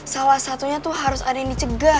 salah satunya tuh harus ada yang dicegah